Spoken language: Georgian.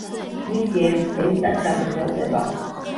მისია ერთ წელიწადს გაგრძელდება.